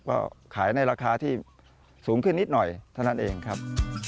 ก็ขายในราคาที่สูงขึ้นนิดหน่อยเท่านั้นเองครับ